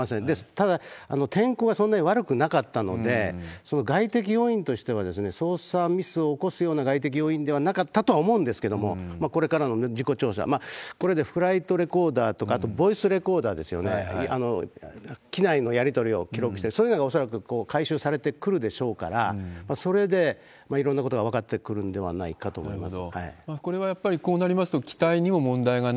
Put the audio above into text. ただ、天候がそんなに悪くなかったので、外的要因としては、操作ミスを起こすような外的要因ではなかったとは思うんですけども、これからの事故調査、これでフライトレコーダーとか、あとボイスレコーダーですよね、機内のやり取りを記録してる、そういうのが恐らく回収されてくるでしょうから、それでいろんなことが分かってくるんではないかと思います。